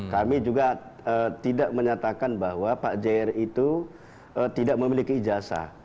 kami juga tidak menyatakan bahwa pak jr itu tidak memiliki ijasa